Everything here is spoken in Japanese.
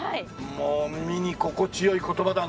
もう耳に心地よい言葉だね。